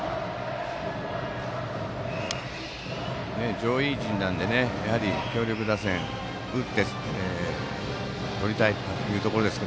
上位陣なので強力打線打って取りたいというところですが。